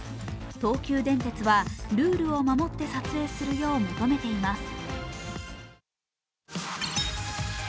東急電鉄はルールを守って撮影するよう求めています。